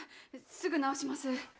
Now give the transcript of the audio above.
すぐ直します。